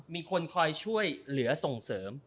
มีคนคอยช่วยเหลือส่งเสริม